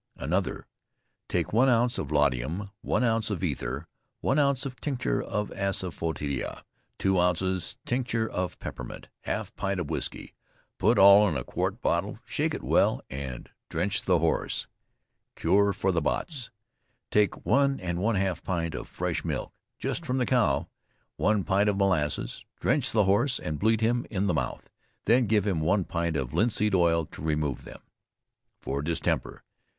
ANOTHER. Take 1 ounce laudanum, 1 ounce of ether, 1 ounce of tincture of assafoetida, 2 ounces tincture of peppermint, half pint of whisky; put all in a quart bottle, shake it well and drench the horse. CURE FOR THE BOTS. Take 1 1/2 pint of fresh milk, (just from the cow,) 1 pint of molasses. Drench the horse and bleed him in the mouth; then give him 1 pint of linseed oil to remove them. FOR DISTEMPER.